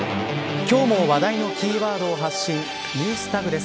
今日も話題のキーワードを発信ＮｅｗｓＴａｇです。